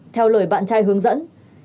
theo lời bạn trai hướng dẫn